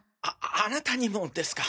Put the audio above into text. あなたにもですか？